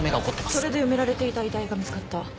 それで埋められていた遺体が見つかった。